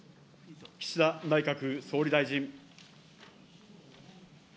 岸田内閣総理大臣。